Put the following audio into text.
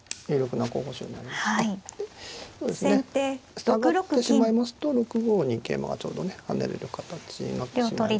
そうですね下がってしまいますと６五に桂馬がちょうどね跳ねるような形になってしまいますので。